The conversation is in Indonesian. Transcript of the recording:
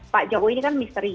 pak jokowi ini kan misteri